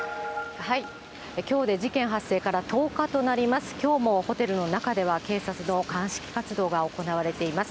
きょうで事件発生から１０日となります、きょうもホテルの中では、警察の鑑識活動が行われています。